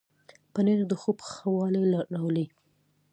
پنېر د خوب ښه والی راولي.